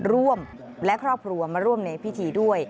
ร่วมและครอบครัวมาร่วมในพิธีด้วย